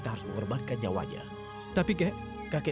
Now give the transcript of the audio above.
biar suci kabam ya di sini